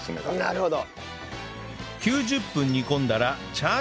なるほど！